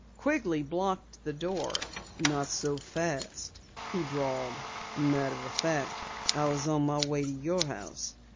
Quigley blocked the door. "Not so fast," he drawled. "Matter of fact, I was on my way to your house.